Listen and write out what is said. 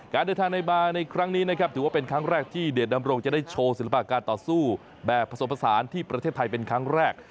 การเดินทางในบาร์ในครั้งนี้นะครับถือว่าเป็นครั้งแรกที่เดชดำรงจะได้โชว์ศิลปะการต่อสู้แบบผสมผสานที่ประเทศไทยเป็นครั้งแรก